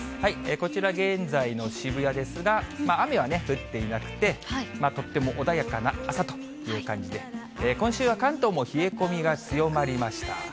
こちら、現在の渋谷ですが、雨は降っていなくて、とっても穏やかな朝という感じで、今週は関東も冷え込みが強まりました。